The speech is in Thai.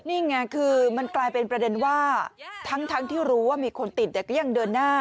นี่ไงคือมันกลายเป็นประเด็นว่าทั้งที่รู้ว่ามีคนติดแต่ก็ยังเดินหน้า